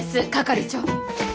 係長。